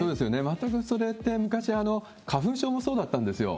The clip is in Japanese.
全くそれって、昔、花粉症もそうだったんですよ。